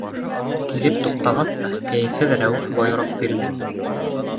Килеп туҡтағас та, кәйефһеҙ Рәүеф бойороҡ бирҙе: